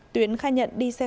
tuyến khai nhận đi xe khách hàng